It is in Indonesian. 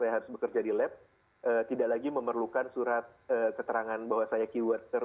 saya harus bekerja di lab tidak lagi memerlukan surat keterangan bahwa saya key warter